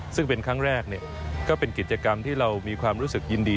ซึ่งเป็นครั้งแรกก็เป็นกิจกรรมที่เรามีความรู้สึกยินดี